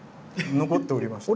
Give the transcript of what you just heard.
残っておりました。